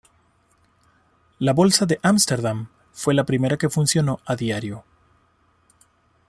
La Bolsa de Ámsterdam fue la primera que funcionó a diario.